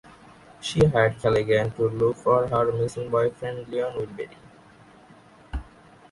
She hires Callaghan to look for her missing boyfriend Lionel Wilbery.